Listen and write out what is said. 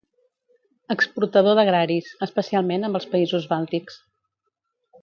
Exportador d'agraris, especialment amb els països bàltics.